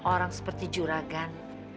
orang seperti juragan